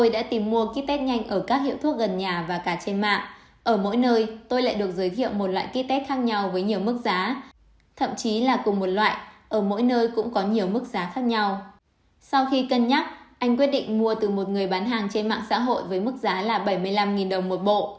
sau khi cân nhắc anh quyết định mua từ một người bán hàng trên mạng xã hội với mức giá là bảy mươi năm đồng một bộ